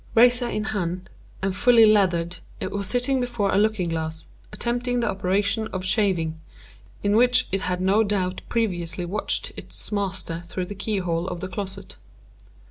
Razor in hand, and fully lathered, it was sitting before a looking glass, attempting the operation of shaving, in which it had no doubt previously watched its master through the key hole of the closet.